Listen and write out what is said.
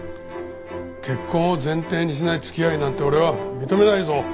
結婚を前提にしない付き合いなんて俺は認めないぞ。